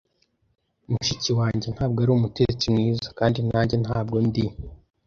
Mushiki wanjye ntabwo ari umutetsi mwiza, kandi nanjye ntabwo ndi